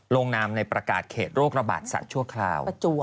ลงนามในประกาศเขตโรคระบาดสัตว์ชั่วคราว